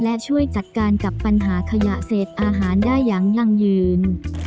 และช่วยจัดการกับปัญหาขยะเศษอาหารได้อย่างยั่งยืน